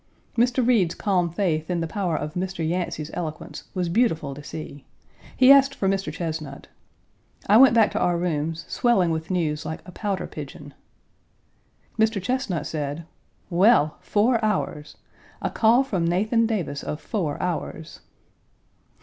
Mr. Reed's calm faith in the power of Mr. Yancey's eloquence was beautiful to see. He asked for Mr. Chesnut. I went back to our rooms, swelling with news like a pouter pigeon. Mr. Chesnut said: "Well! four hours a call Page 153 from Nathan Davis of four hours!"